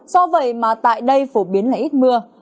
do vậy mà tại đây phổ biến là ít mưa